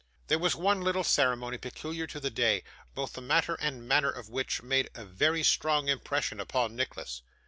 There was one little ceremony peculiar to the day, both the matter and manner of which made a very strong impression upon Nicholas.